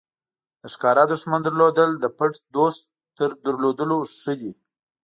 د ښکاره دښمن لرل د پټ دوست تر لرل ښه دي.